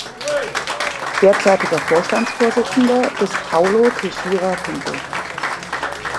Derzeitiger Vorstandsvorsitzender ist Paulo Teixeira Pinto.